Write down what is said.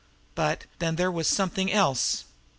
But, then, there was something else.